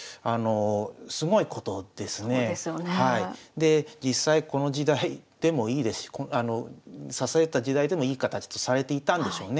で実際この時代でもいい指された時代でもいい形とされていたんでしょうね。